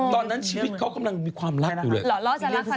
ตอนนั้นชีวิตเขากำลังมีความรักอยู่เลย